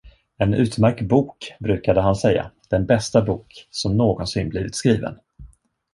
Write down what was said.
En utmärkt bok, brukade han säga, den bästa bok som någonsin blivit skriven!